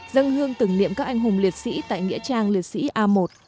dân hương tưởng niệm các anh hùng liệt sĩ tại nghĩa trang liệt sĩ a một